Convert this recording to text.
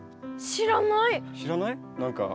知らない？